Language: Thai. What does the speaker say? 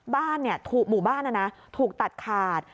บ้านเนี่ยหมู่บ้านนะนะถูกตัดขาด